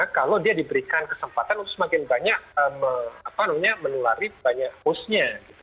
kalau dia diberikan kesempatan untuk semakin banyak menulari banyak hostnya